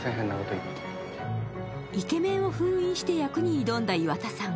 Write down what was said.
イケメンを封印して役に挑んだ岩田さん。